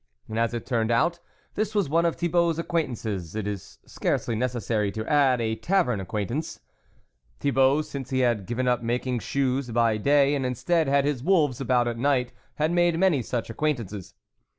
And, as it turned out, this was one of Thibault's acquaintances it is scarcely necessary to add, a tavern acquaintance. Thibault, since he had given up making shoes by day and, instead, had his wolves about at night, had made many such acquaintances.